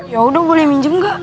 yaudah boleh minjem gak